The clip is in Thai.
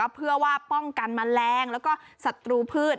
เพื่อว่าป้องกันแมลงแล้วก็ศัตรูพืช